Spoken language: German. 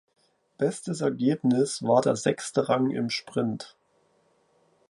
Bestes Ergebnis war der sechste Rang im Sprint.